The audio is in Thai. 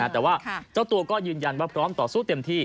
แต่ว่าเจ้าตัวก็ยืนยันว่าพร้อมต่อสู้เต็มที่